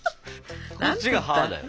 こっちが「はあ？」だよ。